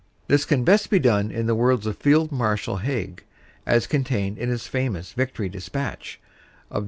This can best be done in the words of Field Marshal Haig, as contained in his famous "Victory Dis patch" of Dec.